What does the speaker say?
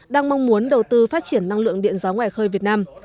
đang mong muốn đầu tư phát triển năng lượng điện gió ngoài khơi việt nam